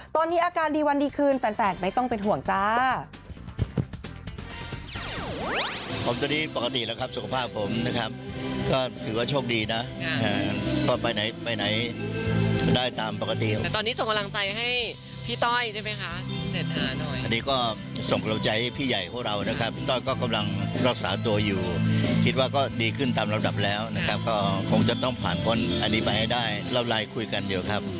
ตอนนี้อาการดีวันดีคืนแฟนไม่ต้องเป็นห่วงจ้า